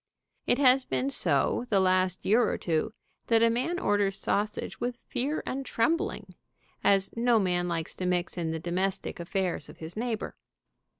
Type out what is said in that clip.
It has been so the last year or two that a man orders sausage with fear and tremb ling, as no man likes to mix in the domestic affairs x 7 6 SHOULD WOMAN BE EATEN? of his neighbor.